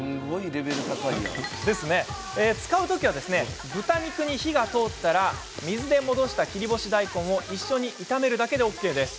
使う時は豚肉に火が通ったら水で戻した切り干し大根を一緒に炒めるだけでＯＫです。